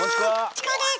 チコです！